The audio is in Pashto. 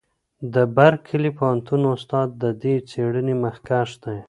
د برکلي پوهنتون استاد د دې څېړنې مخکښ دی.